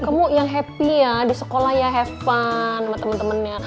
kamu yang happy ya di sekolah ya have fun sama temen temennya